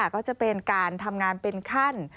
ก็จะเป็นการทำงานเป็นขั้น